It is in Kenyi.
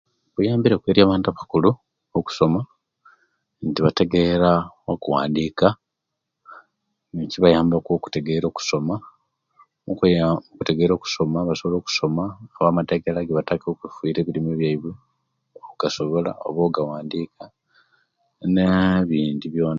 Kuyambileku eli abantu abakulu okusoma nti bategeera okuwandika nikibayambaku okutegeera okusoma owababa bategeera okusoma basobola okusoma oku amadagala agebattaka okufiira ebirime byabwe ogawandika na ebindi byona.